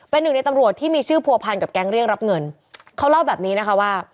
เป็นหนึ่งในตำรวจที่มีชื่อผัวพันกับแก๊งเรียกรับเงินเขาเล่าแบบนี้นะคะว่า